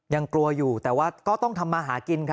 ยังกลัวอยู่แต่ว่าก็ต้องทำมาหากินครับ